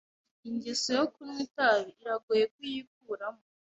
Ingeso yo kunywa itabi iragoye kuyikuramo.